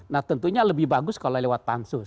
nah tentunya lebih bagus kalau lewat pansus